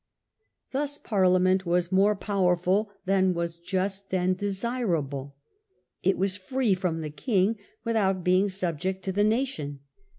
Thus Parliament was more powerful than was just then desirable. It was free from the king, without being subject to the nation.